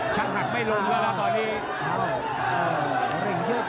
ช้างหักไม่ลงแล้วตอนนี้